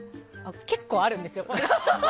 結構あるんですよ、これが。